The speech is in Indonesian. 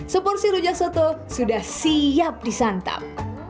seporsi rujak soto sudah siap disantap